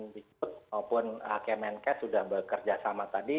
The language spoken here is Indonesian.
dikut maupun kemenkes sudah bekerja sama tadi